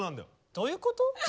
どういうこと？